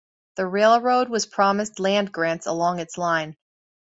The railroad was promised land grants along its line.